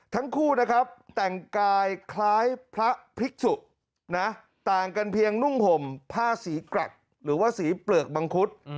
ทั้งคู่นะครับแต่งกายคล้ายพระภิกษุนะต่างกันเพียงนุ่งห่มผ้าสีกรักหรือว่าสีเปลือกมังคุด